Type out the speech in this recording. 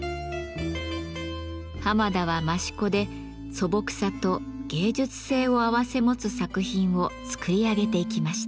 濱田は益子で素朴さと芸術性を併せ持つ作品を作り上げていきました。